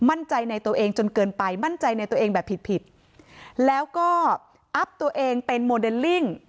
มั่นใจในตัวเองจนเกินไปมั่นใจในตัวเองแบบผิดผิดแล้วก็อัพตัวเองเป็นโมเดลลิ่ง